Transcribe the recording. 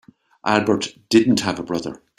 Albert didn't have a brother.